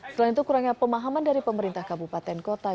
selain itu kurangnya pemahaman dari pemerintah kabupaten kota